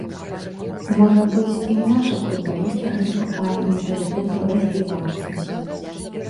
Можа быць, і ў нашых футбалістаў не хапае менталітэту развівацца.